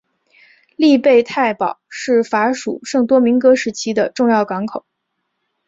利贝泰堡是法属圣多明戈时期的重要港口。